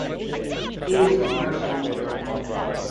It is demersal.